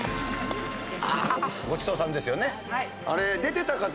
『ごちそうさん』ですよね。